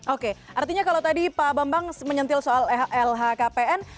oke artinya kalau tadi pak bambang menyentil soal lhkpn